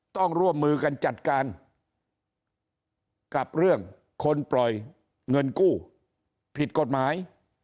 ต้องร่วมมือกันจัดการกับเรื่องคนปล่อยเงินกู้ผิดกฎหมาย